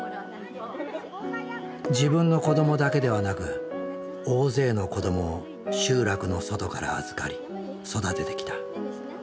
自分の子どもだけではなく大勢の子どもを集落の外から預かり育ててきた。